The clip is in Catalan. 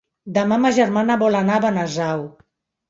Demà ma germana vol anar a Benasau.